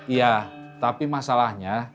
iya tapi masalahnya